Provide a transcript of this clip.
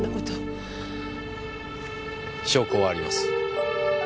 証拠はあります。